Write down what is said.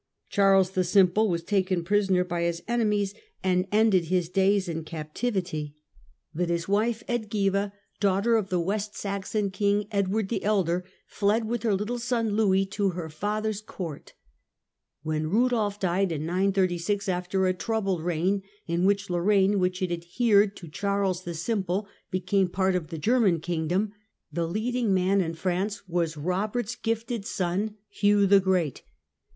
Charles the Simple was taken prisoner by his (lUvli^^ ^ enemies, and ended his days in captivity, but his wife f2B$^6 43 44 THE CENTRAL PERIOD OF THE MIDDLE AGE Edgiva, daughter of the West Saxon king Edward the Elder, fled with her little son Louis to her father's court. When Kudolf died in 936, after a troubled reign, in which Lorraine, which had adhered to Charles the Simple, became part of the German kingdom, the leading man in France was Eobert's gifted son, Hugh the Great.